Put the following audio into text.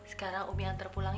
sekarang umi yang terpulang